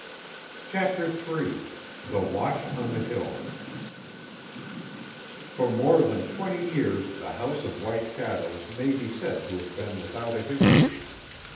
CHAPTER III THE WATCH ON THE HILL For more than twenty years the House of White Shadows may be said to have been without a history.